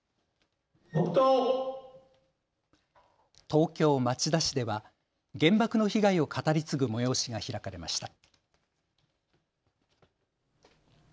東京町田市では原爆の被害を語り継ぐ催しが開かれました。